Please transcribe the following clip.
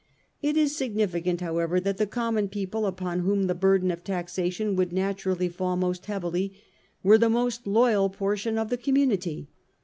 It is significant, how ever, that the common people, upon whom the burden of taxation would naturally fall most heavily, were the most loyal portion of the community.